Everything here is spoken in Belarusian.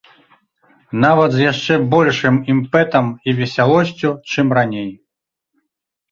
Нават з яшчэ большым імпэтам і весялосцю, чым раней.